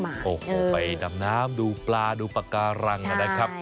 โอ้โหไปดำน้ำดูปลาดูปากการังนะครับ